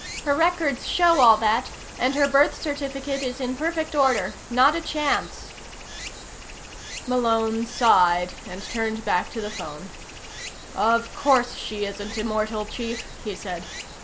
Her records show all that, and her birth certificate is in perfect order. Not a chance." Malone sighed and turned back to the phone. "Of course she isn't immortal, Chief," he said.